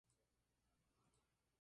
Tiene patas amarillas y cortas.